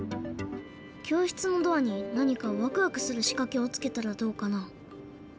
教室のドアに何かワクワクするしかけをつけたらどうかな？